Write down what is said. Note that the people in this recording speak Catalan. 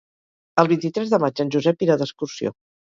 El vint-i-tres de maig en Josep irà d'excursió.